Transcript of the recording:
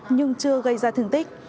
nhưng chưa gây ra thương tích